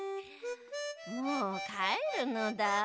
もうかえるのだ。